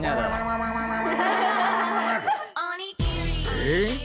えっ？